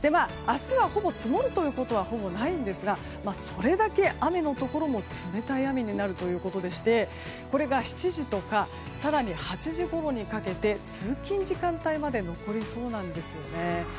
明日は積もるということはほぼないんですがそれだけ雨のところも冷たい雨になるということでしてこれが７時とか更に８時ごろにかけて通勤時間帯まで残りそうなんですね。